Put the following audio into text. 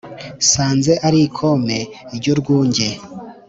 Nsanze ari ikome ry'urwunge,